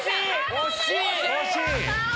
惜しい！